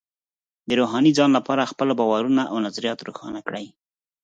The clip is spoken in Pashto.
د روحاني ځان لپاره خپل باورونه او نظریات روښانه کړئ.